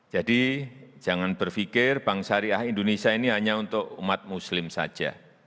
jadi jangan berpikir bank syariah indonesia ini hanya untuk umat muslim saja